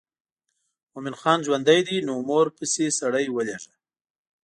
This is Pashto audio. مومن خان ژوندی دی نو مور پسې سړی ولېږه.